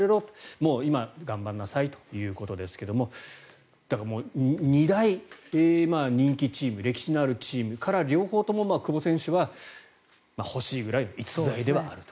もう今、頑張んなさいということですが２大人気チーム歴史のあるチームから両方とも、久保選手は欲しい選手だったと。